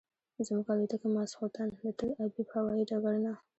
زموږ الوتکه ماسخوتن د تل ابیب هوایي ډګر نه.